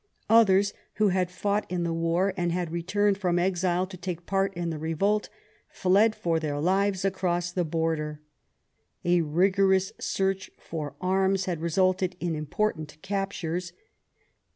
Others, who had fought in the war and had returned from exile to take part in the revolt, fled for their lives across the border. A rigorous search for arms had resulted in important captures.